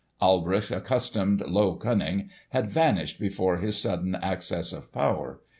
Alberich's accustomed low cunning had vanished before his sudden access of power.